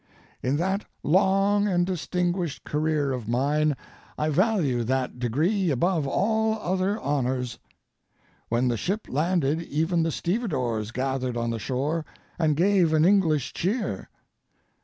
In that long and distinguished career of mine I value that degree above all other honors. When the ship landed even the stevedores gathered on the shore and gave an English cheer.